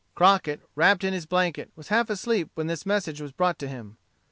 Crockett, wrapped in his blanket, was half asleep when this message was brought to him.